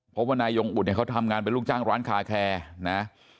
เพราะว่านายยงอุดเนี่ยเขาทำงานเป็นลูกจ้างร้านคาแคร์นะ